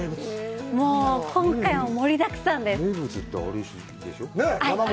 もう今回も盛りだくさんです。